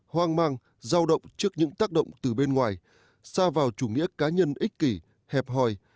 hoang mang giao động trước những tác động từ bên ngoài xa vào chủ nghĩa cá nhân ích kỷ hẹp hòi